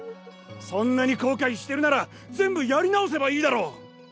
そんなにこうかいしてるなら全部やり直せばいいだろ！